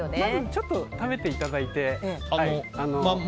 ちょっと食べていただいて。